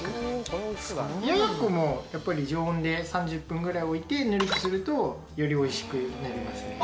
冷ややっこもやっぱり常温で３０分ぐらい置いてぬるくするとより美味しくなりますね。